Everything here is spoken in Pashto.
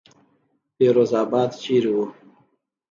فیروز آباد چېرې وو.